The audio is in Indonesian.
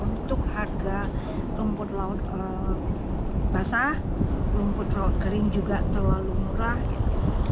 untuk harga rumput laut basah rumput kering juga terlalu murah gitu